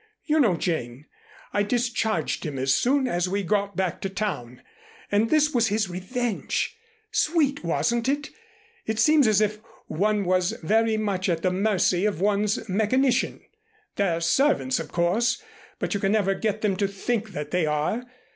You know, Jane, I discharged him as soon as we got back to town, and this was his revenge. Sweet, wasn't it? It seems as if one was very much at the mercy of one's mechanician. They're servants, of course, but you can never get them to think that they are.